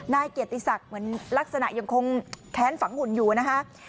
นายเกียรติศักดิ์เหมือนลักษณะยังคงแค้นฝังหุ่นอยู่นะคะ